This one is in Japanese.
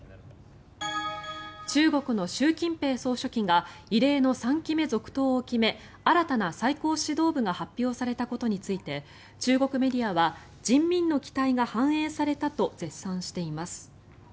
中国の習近平総書記が異例の３期目続投を決め新たな最高指導部が発表されたことについて中国メディアは人民の期待が反映されたと絶賛しています。